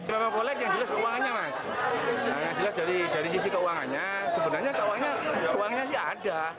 yang jelas keuangannya mas yang jelas dari sisi keuangannya sebenarnya keuangannya sih ada